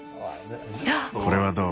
これはどう？